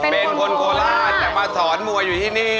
เป็นคนโคราชแต่มาสอนมวยอยู่ที่นี่